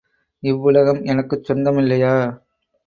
இவ்வுலகம் எனக்குச் சொந்த மில்லையா?